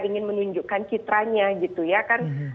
ingin menunjukkan citranya gitu ya kan